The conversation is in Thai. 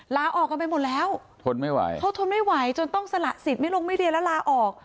ลาออกกันไปหมดแล้วทนไม่ไหวเขาทนไม่ไหวจนต้องสละสิทธิ์ไม่ลงไม่เรียนแล้วลาออก